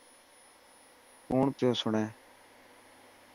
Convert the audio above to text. ڪونڻ پيو سڻي.